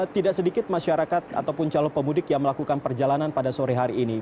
tidak sedikit masyarakat ataupun calon pemudik yang melakukan perjalanan pada sore hari ini